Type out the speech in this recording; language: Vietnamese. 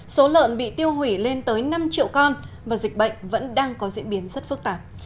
số lợn bị tiêu hủy lên tới năm triệu con và dịch bệnh vẫn đang có diễn biến rất phức tạp